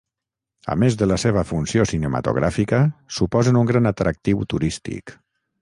A més de la seva funció cinematogràfica, suposen un gran atractiu turístic.